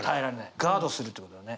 ガードするということだね。